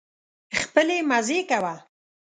خپلې مزې کوه.